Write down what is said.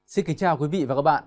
xin kính chào quý vị và các bạn